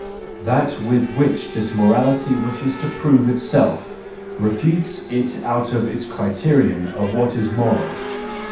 That with which this morality wishes to prove itself, refutes it out of its criterion of what is moral!